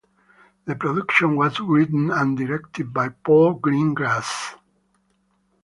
The production was written and directed by Paul Greengrass.